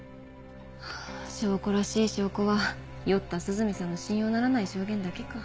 ハァ証拠らしい証拠は酔った涼見さんの信用ならない証言だけか。